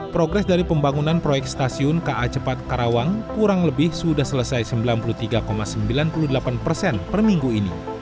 progres dari pembangunan proyek stasiun ka cepat karawang kurang lebih sudah selesai sembilan puluh tiga sembilan puluh delapan persen per minggu ini